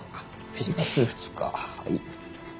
４月２日はい。